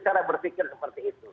cara berpikir seperti itu